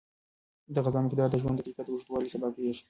د غذا مقدار د ژوند د کیفیت او اوږدوالي سبب کیږي.